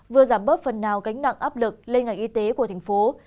vừa giảm bớt phần nào gánh nặng áp lực lên ngành y tế của tp hcm